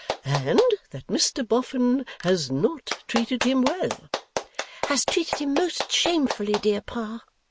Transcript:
And that Mr Boffin has not treated him well?' 'Has treated him most shamefully, dear Pa!